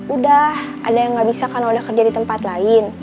udah ada yang nggak bisa karena udah kerja di tempat lain